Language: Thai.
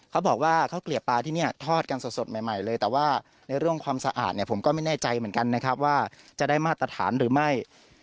เขาบอกว่าข้าวเกลียบปลาที่นี่ทอดกันสดใหม่เลยแต่ว่าในเรื่องความสะอาดเนี่ยผมก็ไม่แน่ใจเหมือนกันนะครับว่าจะได้มาตรฐานหรือไม่